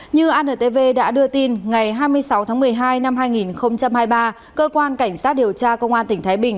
như antv đã đưa tin ngày hai mươi sáu tháng một mươi hai năm hai nghìn hai mươi ba cơ quan cảnh sát điều tra công an tỉnh thái bình